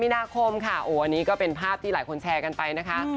มีนาคมค่ะโอ้อันนี้ก็เป็นภาพที่หลายคนแชร์กันไปนะคะ